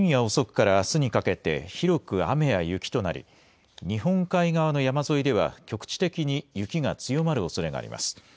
気象庁によりますと、今夜遅くからあすにかけて、広く雨や雪となり、日本海側の山沿いでは、局地的に雪が強まるおそれがあります。